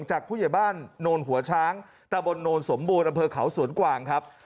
จากผู้ใหญ่บ้านโนนหัวช้างตะบนโนนสมบูรณ์อำเภอเขาสวนกวางครับ